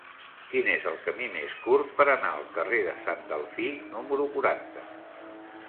Quin és el camí més curt per anar al carrer de Sant Delfí número quaranta?